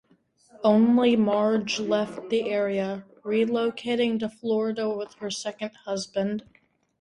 Only Marge left the area, relocating to Florida with her second husband.